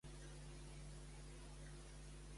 És l'amoxicil·lina la que em toca prendre a les nou?